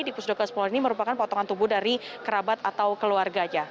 di pusdokas polri ini merupakan potongan tubuh dari kerabat atau keluarganya